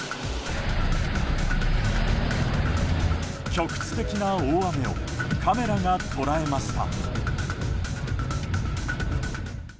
局地的な大雨をカメラが捉えました。